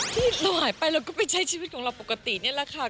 ที่เราหายไปเราก็ไปใช้ชีวิตของเราปกตินี่แหละค่ะ